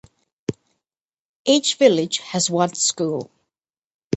Each village has one school.